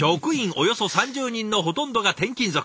およそ３０人のほとんどが転勤族。